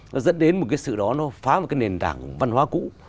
nó dẫn đến một cái sự đó nó phá một cái nền tảng văn hóa cũ